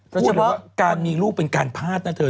พูดถึงว่าการมีลูกเป็นการพลาดนะเถอะ